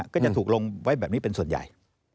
ก็จะถูกลงไว้แบบนี้เป็นส่วนใหญ่